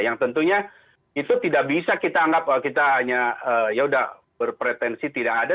yang tentunya itu tidak bisa kita anggap kita hanya yaudah berpretensi tidak ada